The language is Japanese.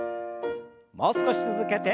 もう少し続けて。